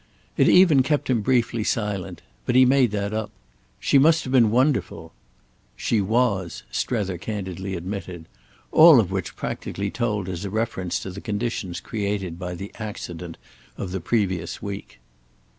It even kept him briefly silent. But he made that up. "She must have been wonderful." "She was," Strether candidly admitted—all of which practically told as a reference to the conditions created by the accident of the previous week.